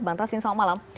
bang taslim selamat malam